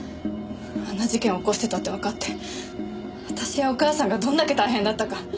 あんな事件起こしてたってわかって私やお母さんがどんだけ大変だったか。